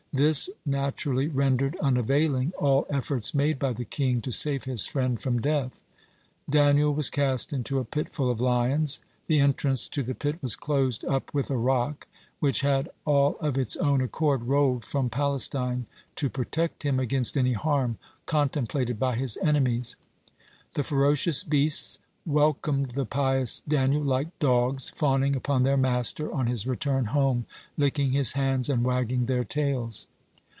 This naturally rendered unavailing all efforts made by the king to save his friend from death. Daniel was cast into a pit full of lions. The entrance to the pit was closed up with a rock, which had all of its own accord rolled from Palestine to protect him against any harm contemplated by his enemies. (12) The ferocious beasts welcomed the pious Daniel like dogs fawning upon their master on his return home, licking his hands and wagging their tails.